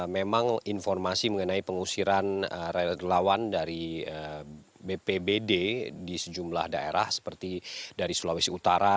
memang informasi mengenai pengusiran relawan dari bpbd di sejumlah daerah seperti dari sulawesi utara